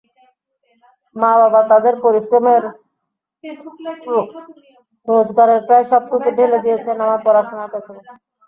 মা-বাবা তাঁদের পরিশ্রমের রোজগারের প্রায় সবটুকু ঢেলে দিয়েছেন আমার পড়াশোনার পেছনে।